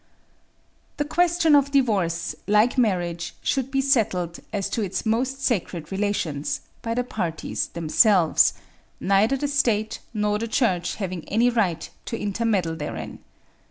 "The question of divorce, like marriage, should be settled, as to its most sacred relations, by the parties themselves; neither the State nor the Church having any right to intermeddle therein.